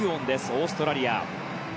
オーストラリア。